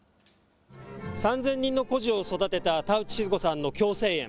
３０００人の孤児を育てた田内千鶴子さんの共生園。